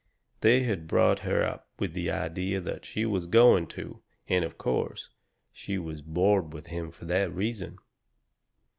They had brought her up with the idea that she was going to, and, of course, she was bored with him for that reason.